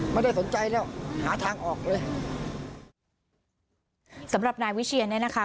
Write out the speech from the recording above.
ไม่ได้สนใจแล้วหาทางออกเลยสำหรับนายวิเชียนเนี่ยนะคะ